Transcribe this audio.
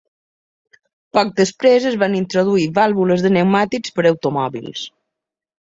Poc després, es van introduir vàlvules de pneumàtics per a automòbils.